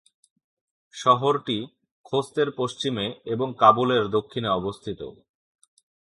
শহরটি খোস্তের পশ্চিমে এবং কাবুলের দক্ষিণে অবস্থিত।